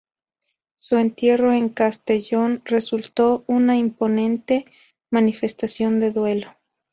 Su entierro en Castellón resultó una imponente manifestación de duelo.